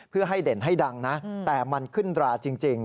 เพื่อให้เด่นให้ดังนะแต่มันขึ้นราจริง